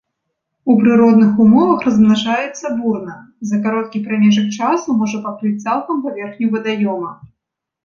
У прыродных умовах размнажаецца бурна, за кароткі прамежак часу можа пакрыць цалкам паверхню вадаёма.